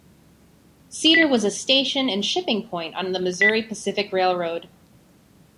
Cedar was a station and shipping point on the Missouri Pacific Railroad.